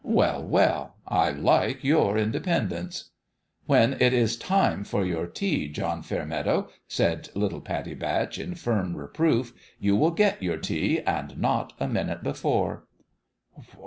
" Well, well ! I like your independence !"(< When it is time for your tea, John Fair 350 LOISE AND LABOUR meadow," said little Pattie Batch, in firm reproof, 11 you will get your tea and not a minute be fore."